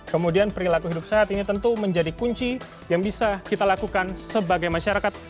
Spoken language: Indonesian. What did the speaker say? kemudian perilaku hidup sehat ini tentu menjadi kunci yang bisa kita lakukan sebagai masyarakat